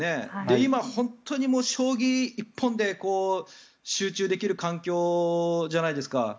今、本当に将棋一本で集中できる環境じゃないですか。